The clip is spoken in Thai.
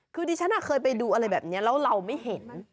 คือดิฉันเคยไปดูอะไรแบบนี้แล้วเราไม่เห็น